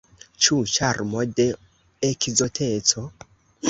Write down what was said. Ĉu ĉarmo de ekzoteco?